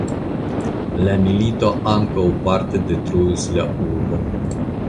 La milito ankaŭ parte detruis la urbon.